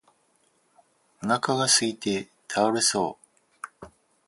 お腹がすいて倒れそう